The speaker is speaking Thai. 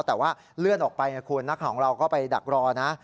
แต่ว่าเลื่อนออกไปนะคุณนักข่าวของเราก็ไปดักรอนะ